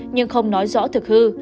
nhưng không nói rõ thực hư